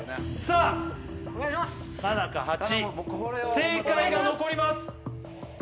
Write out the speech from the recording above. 正解が残ります